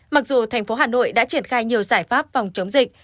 mặc dù thành phố hà nội đã triển khai nhiều giải pháp phòng chống dịch